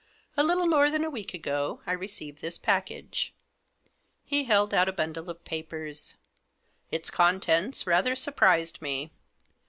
A little more than a week ago I received this package." He held out a bundle of papers. " Its contents rather surprised me.